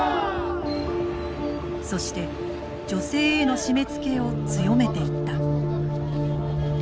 そして女性への締めつけを強めていった。